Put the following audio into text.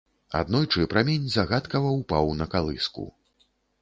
Аднойчы прамень загадкава ўпаў на калыску.